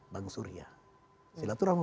bang surya silaturahmi